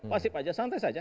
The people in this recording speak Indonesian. pasif saja santai saja